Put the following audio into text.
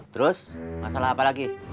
terus masalah apa lagi